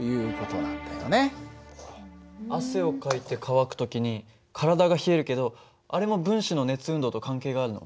汗をかいて乾く時に体が冷えるけどあれも分子の熱運動と関係があるの？